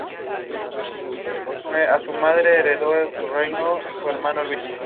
Con Dizzy Gillespie